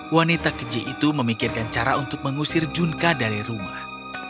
wanita keji itu memikirkan cara untuk mengusir junka dari rumah